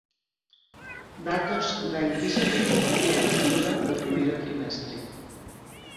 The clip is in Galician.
Datos da Enquisa de Poboación Activa do primeiro trimestre.